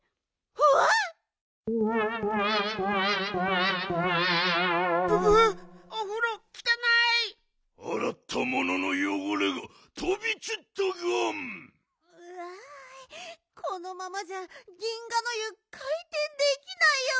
うわこのままじゃ銀河の湯かいてんできないよ！